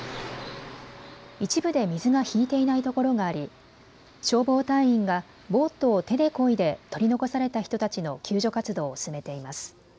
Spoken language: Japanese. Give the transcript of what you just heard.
一部で水が引いていないところがあり消防隊員がボートを手でこいで取り残された人たちの救助活動を進めています。